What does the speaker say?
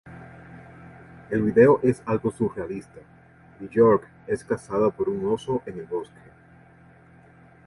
El vídeo es algo surrealista: Björk es cazada por un oso en el bosque.